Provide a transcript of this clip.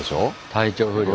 体調不良。